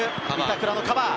板倉のカバー。